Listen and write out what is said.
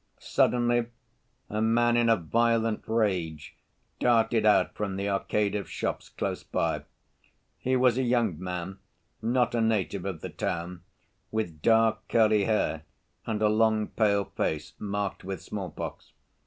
Suddenly a man in a violent rage darted out from the arcade of shops close by. He was a young man, not a native of the town, with dark, curly hair and a long, pale face, marked with smallpox.